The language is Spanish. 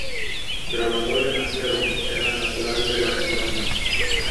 Grabador en acero, era natural de Barcelona.